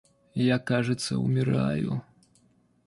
Я, кажется, умираю...